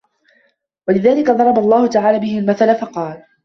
وَلِذَلِكَ ضَرَبَ اللَّهُ تَعَالَى بِهِ الْمَثَلَ فَقَالَ